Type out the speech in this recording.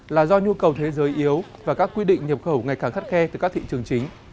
là do nhu cầu thế giới yếu và các quy định nhập khẩu ngày càng khắt khe từ các thị trường chính